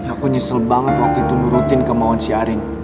aku nyesel banget waktu itu nurutin ke maun si arin